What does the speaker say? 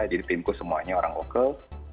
jadi timku semuanya orang lokal